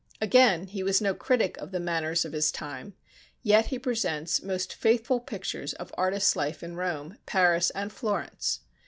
Again, he was no critic of the manners of his time, yet he presents most faithful pictures of artist life in Rome, Paris, and Florence.